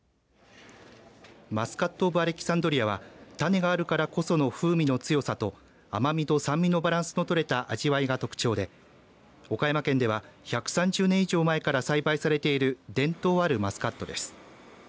マスカット・オブ・アレキサンドリアは種があるからこその風味の強さと甘みと酸味のバランスのとれた味わいが特徴で岡山県では、１３０年以上前から栽培されている伝統あるマスカットです。